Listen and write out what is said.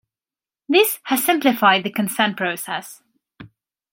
This has simplified the consent process.